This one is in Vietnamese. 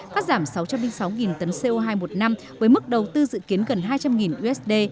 cắt giảm sáu trăm linh sáu tấn co hai một năm với mức đầu tư dự kiến gần hai trăm linh usd